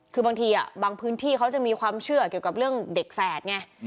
คือบางทีบางพื้นที่เขาจะมีความเชื่อเกี่ยวกับเรื่องเด็กแฝดไง